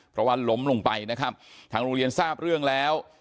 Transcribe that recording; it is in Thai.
เพราะว่าล้มลงไปนะครับทางโรงเรียนทราบเรื่องแล้ว